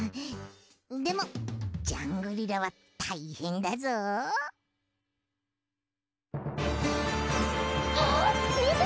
でもジャングリラはたいへんだぞ。あっみて！